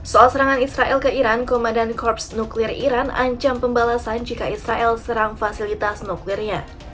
soal serangan israel ke iran komandan korps nuklir iran ancam pembalasan jika israel serang fasilitas nuklirnya